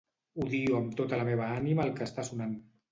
Odio amb tota la meva ànima el que està sonant.